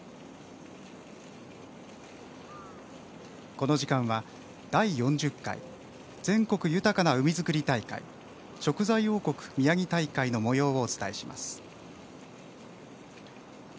この時間は、「第４０回全国豊かな海づくり大会食材王国みやぎ大会」のもようをお伝えします。